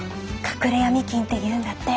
隠れ闇金っていうんだって。